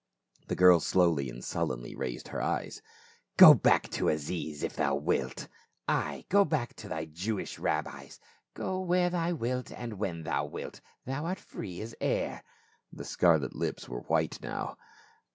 The girl slowly and sullenly raised her eyes. " Go back to Aziz if thou wilt. Ay — go back to thy Jewish rabbis. Go where thou wilt and when thou wilt ; thou art free as air." The scarlet lips were white now.